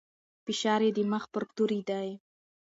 فشار يې د مخ پر توري دی.